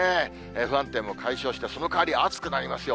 不安定も解消して、そのかわり、暑くなりますよ。